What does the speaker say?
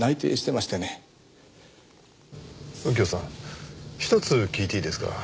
右京さんひとつ聞いていいですか？